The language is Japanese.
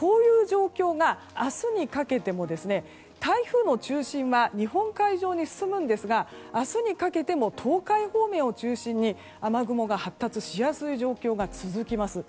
明日にかけても、台風の中心は日本海上に進むんですが明日にかけても東海方面を中心に、雨雲が発達しやすい状況が続きます。